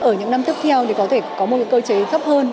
ở những năm tiếp theo thì có thể có một cái cơ chế gấp hơn